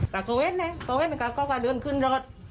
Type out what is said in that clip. เขาก็เลือกถึงขวดนั้นเขาก็เดินขึ้นรถ